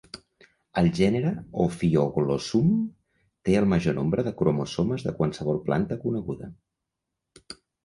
El gènere "Ophioglossum" té el major nombre de cromosomes de qualsevol planta coneguda.